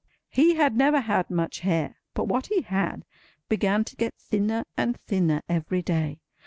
He had never had much hair; but what he had, began to get thinner and thinner every day.